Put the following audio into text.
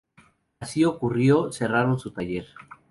Así ocurrió cerraron su taller.